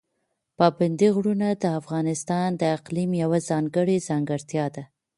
پابندي غرونه د افغانستان د اقلیم یوه ځانګړې ځانګړتیا ده.